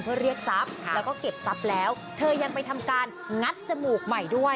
เพื่อเรียกทรัพย์แล้วก็เก็บทรัพย์แล้วเธอยังไปทำการงัดจมูกใหม่ด้วย